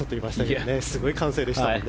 すごい歓声でしたもんね。